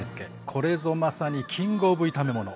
これぞまさにキングオブ炒め物！